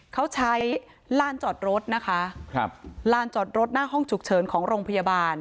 เขาใช้ลานจอดรถนะคะครับลานจอดรถหน้าห้องฉุกเฉินของโรงพยาบาล